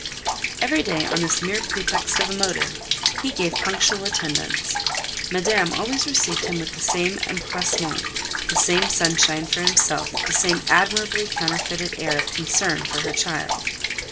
Every day, on this mere pretext of a motive, he gave punctual attendance; Madame always received him with the same empressement, the same sunshine for himself, the same admirably counterfeited air of concern for her child.